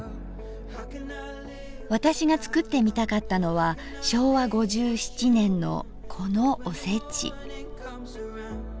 私が作ってみたかったのは昭和５７年のこのおせち。